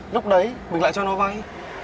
lúc đấy mình lại cho nó vay